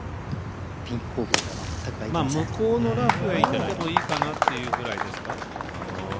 向こうのラフへ行ってもいいかなっていうぐらいですか。